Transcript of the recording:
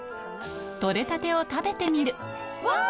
採れたてを食べてみるうわぁ！